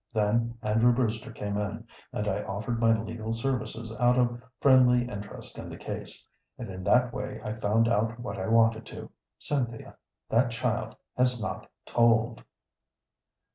Then Andrew Brewster came in, and I offered my legal services out of friendly interest in the case, and in that way I found out what I wanted to. Cynthia, that child has not told."